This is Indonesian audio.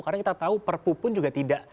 karena kita tahu perpu pun juga tidak